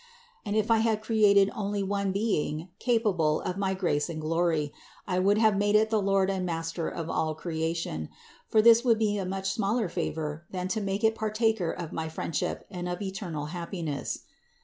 103. "And if I had created only one being capable of my grace and glory, I would have made it the lord and master of all creation ; for this would be a much smaller favor than to make it partaker of my friendship and of eternal happiness.